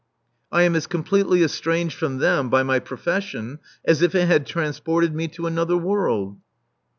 I am as completely estranged from them by my profession as if it had transported me to another world."